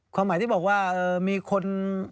ความหมายที่บอกว่ามีคน